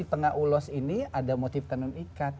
di tengah ulos ini ada motif tenun ikat